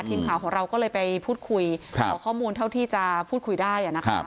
ทีมข่าวของเราก็เลยไปพูดคุยขอข้อมูลเท่าที่จะพูดคุยได้